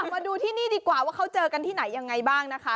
มาดูที่นี่ดีกว่าว่าเขาเจอกันที่ไหนยังไงบ้างนะคะ